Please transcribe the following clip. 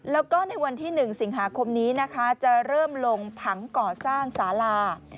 แล้วก็ในวันที่๑สิงหาคมนี้นะคะจะเริ่มลงผังก่อสร้างสาลา